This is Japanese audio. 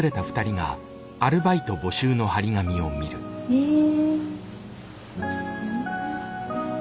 へえ。